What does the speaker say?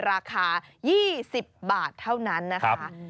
ราคา๒๐บาทเท่านั้นนะคะ